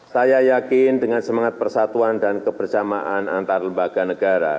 saya yakin dengan semangat persatuan dan kebersamaan antar lembaga negara